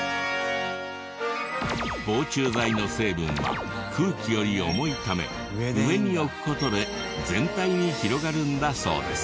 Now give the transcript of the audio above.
防虫剤の成分は空気より重いため上に置く事で全体に広がるんだそうです。